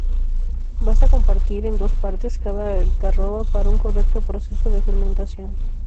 Basta con partir en dos partes cada algarroba para un correcto proceso de fermentación.